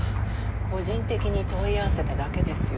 個人的に問い合わせただけですよ。